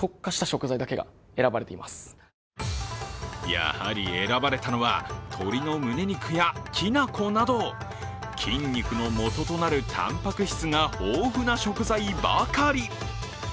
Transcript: やはり選ばれたのは、鶏のむね肉やきな粉など筋肉の元となるたんぱく質が豊富な食材ばかり。